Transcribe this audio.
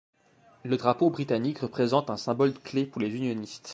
Le drapeau britannique représente un symbole clé pour les unionistes.